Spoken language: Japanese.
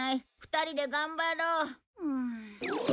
２人で頑張ろう。